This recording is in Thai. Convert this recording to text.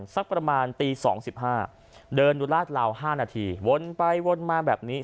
สักประมาณตี๒๕เดินดูลาดลาว๕นาทีวนไปวนมาแบบนี้